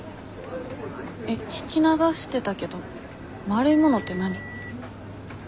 えっ聞き流してたけど丸いものって何？